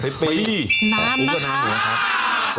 นานนะคะ